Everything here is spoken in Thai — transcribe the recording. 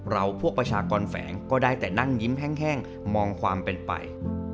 พวกประชากรแฝงก็ได้แต่นั่งยิ้มแห้งมองความเป็นไป